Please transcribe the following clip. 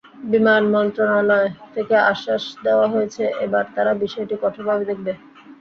বিমান মন্ত্রণালয় থেকে আশ্বাস দেওয়া হয়েছে, এবার তারা বিষয়টি কঠোরভাবে দেখবে।